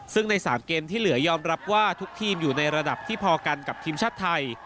ซึ่งใน๓เกมที่เหลือยอมรับว่าทุกทีมอยู่ในระดับที่พอกันกับทีมชาติไทย